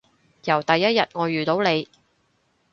由第一日我遇到你